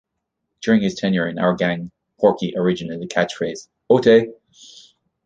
During his tenure in "Our Gang", Porky originated the catchphrase "O-tay!